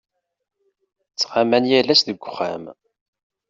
Ttɣaman yal ass deg uxxam.